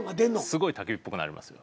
すごいたき火っぽくなりますよ。